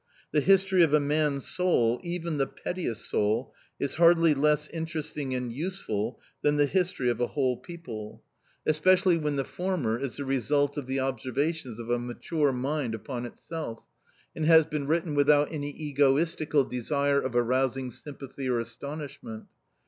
The history of a man's soul, even the pettiest soul, is hardly less interesting and useful than the history of a whole people; especially when the former is the result of the observations of a mature mind upon itself, and has been written without any egoistical desire of arousing sympathy or astonishment.